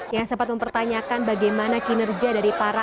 yang sempat mempertanyakan bagaimana kinerja dari para